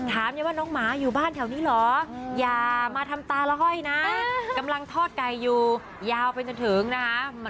ยายว่าน้องหมาอยู่บ้านแถวนี้เหรออย่ามาทำตาละห้อยนะกำลังทอดไก่อยู่ยาวไปจนถึงนะฮะ